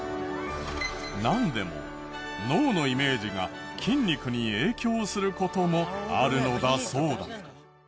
なんでも脳のイメージが筋肉に影響する事もあるのだそうだ。